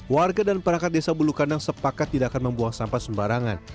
warga dan perangkat desa bulu kandang sepakat tidak akan membuang sampah sembarangan